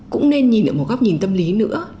cũng nên nhìn lại một góc nhìn tâm lý nữa